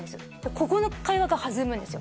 ここの会話が弾むんですよ